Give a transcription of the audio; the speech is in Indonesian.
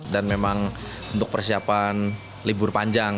dan memang untuk persiapan libur panjang